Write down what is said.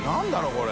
これ。